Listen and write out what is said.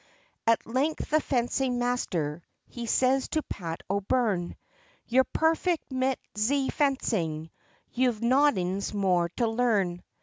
At length the fencing master, he says to Pat O'Byrne, "You're perfect mit ze fencing, you've nodings more to learn."